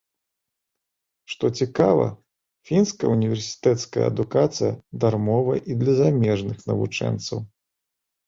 Што цікава, фінская універсітэцкая адукацыя дармовая і для замежных навучэнцаў.